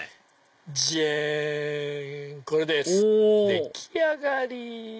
出来上がり！